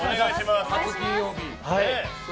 初金曜日。